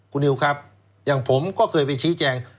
คุณนิวครับอย่างผมก็เคยไปชี้แจง